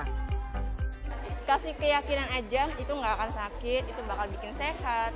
dikasih keyakinan aja itu nggak akan sakit itu bakal bikin sehat